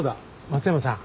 松山さん。